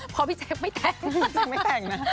พอพี่แจ๊คไม่แต่ง